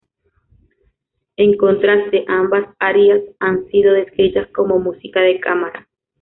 En contraste, ambas arias han sido descritas como música de cámara.